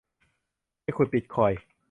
ไปขุดบิตคอยน์